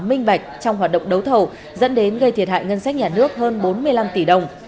minh bạch trong hoạt động đấu thầu dẫn đến gây thiệt hại ngân sách nhà nước hơn bốn mươi năm tỷ đồng